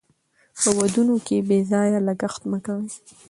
په ودونو کې بې ځایه لګښت مه کوئ.